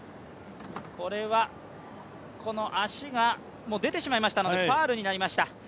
これは足がもう出てしまいましたので、ファウルになりました。